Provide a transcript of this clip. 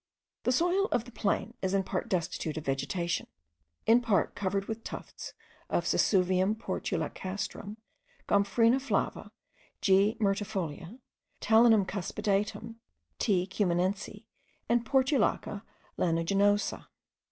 The soil of the plain is in part destitute of vegetation, in part covered with tufts of Sesuvium portulacastrum, Gomphrena flava, G. myrtifolia, Talinum cuspidatum, T. cumanense, and Portulaca lanuginosa.